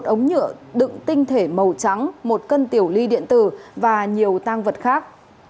một ống nhựa đựng tinh thể màu trắng một cân tiểu ly điện tử và nhiều tang vật khác